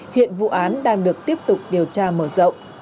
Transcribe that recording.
hiện vụ án đang được tiếp tục điều tra mở rộng